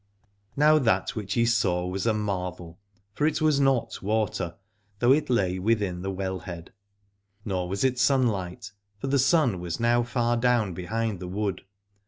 Now that which he saw was a marvel, for it was not water, though it lay within the 40 Alad ore well head : nor was it sunlight, for the sun was now far down behind the wood.